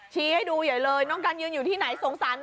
ชี้ให้ดูใหญ่เลยน้องกันยืนอยู่ที่ไหนสงสาร